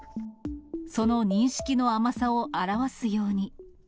その認識の甘さを表すように。